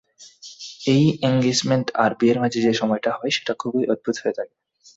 এই এঙ্গেছমেন্ট আর বিয়ের মাঝে যে সময়টা হয় সেটা খুব অদ্ভুত হয়ে থাকে।